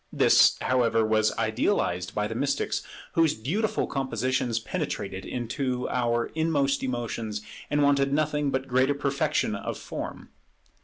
This, however, was idealized by the mystics, whose beautiful compositions penetrated into our inmost emotions, and wanted nothing but greater perfection of form.